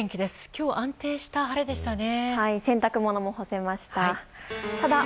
今日は安定した晴れでしたね。